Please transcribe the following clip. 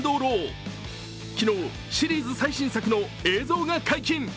昨日、シリーズ最新作の映像が解禁